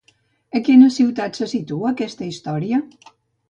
A quina ciutat se situa aquesta història?